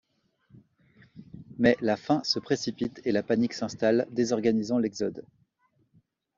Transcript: Mais la fin se précipite, et la panique s'installe, désorganisant l'exode.